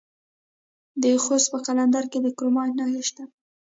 د خوست په قلندر کې د کرومایټ نښې شته.